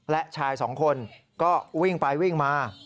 และชายสองคนก็วิ่งไปวิ่งมา